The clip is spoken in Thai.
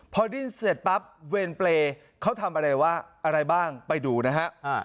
พอดิ้นเสร็จปั๊บเวรเปรย์เขาทำอะไรว่าอะไรบ้างไปดูนะฮะ